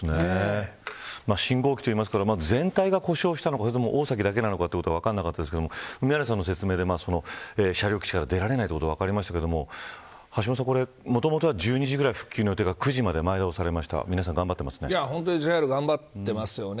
信号機といますから全体が故障したのかそれとも大崎だけなのか分からなかったですが梅原さんの説明で車両基地から出られないことが分かりましたが橋下さん、もともとは１２時ぐらいに復帰の予定が本当にＪＲ頑張ってますよね。